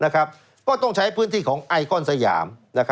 ก็ต้องใช้พื้นที่ของไอคอนสยาม